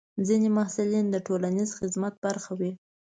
ځینې محصلین د ټولنیز خدمت برخه وي.